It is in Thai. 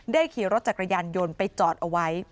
ขี่รถจักรยานยนต์ไปจอดเอาไว้